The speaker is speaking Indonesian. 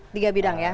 tiga bidang ya